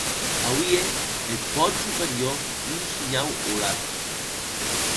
Auie eth pòt superior un shinhau holat.